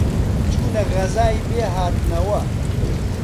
چوونە غەزای بێهاتنەوە،